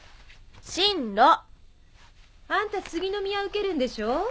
あんた『杉の宮』受けるんでしょ？